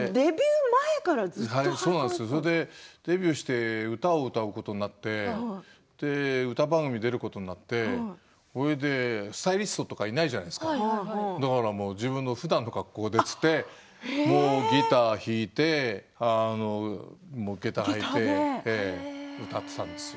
大学時代からげたを履いていてデビューして歌を歌うことになって歌番組に出ることになってそれでスタイリストとかいないじゃないですかふだんの格好でということでギターを弾いてげたを履いて歌っていたんですよ。